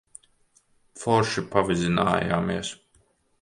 Forši pavizinājāmies.